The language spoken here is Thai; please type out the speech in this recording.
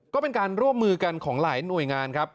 ก็เป็นการร่วมมือกันของหลายหน่วยงานครับ